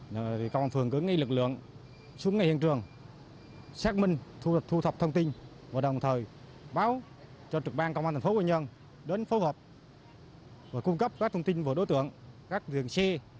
công an phường cứ nghi lực lượng xuống ngay hiện trường xác minh thu thập thông tin và đồng thời báo cho trực ban công an thành phố quy nhơn đến phố hợp và cung cấp các thông tin về đối tượng các viện xe